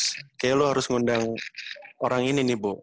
kayaknya lu harus undang orang ini nih bu